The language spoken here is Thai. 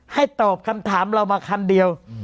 ตอบคำถามเรามาคำเดียว